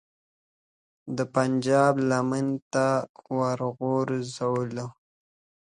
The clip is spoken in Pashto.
د پنجاب لمنې ته وروغورځولې.